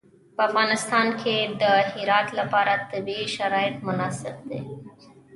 په افغانستان کې د هرات لپاره طبیعي شرایط مناسب دي.